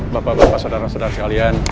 bapak bapak saudara saudara sekalian